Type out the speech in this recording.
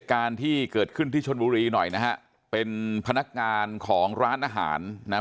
การที่เกิดขึ้นที่ชนบุรีหน่อยนะฮะเป็นพนักงานของร้านอาหารนะฮะ